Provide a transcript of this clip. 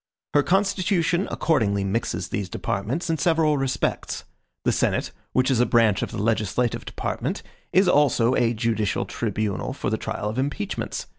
Her constitution accordingly mixes these departments in several respects. The Senate, which is a branch of the legislative department, is also a judicial tribunal for the trial of impeachments.